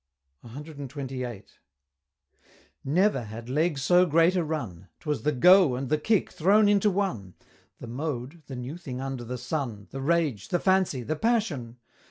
CXXVIII. Never had Leg so great a run! 'Twas the "go" and the "Kick" thrown into one! The mode the new thing under the sun, The rage the fancy the passion!